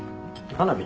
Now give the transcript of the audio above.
花火？